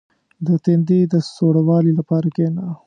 • د تندي د سوړوالي لپاره کښېنه.